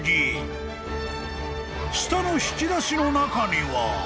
［下の引き出しの中には］